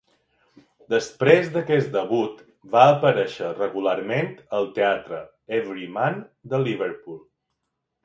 Després d'aquest debut va aparèixer regularment al teatre Everyman de Liverpool.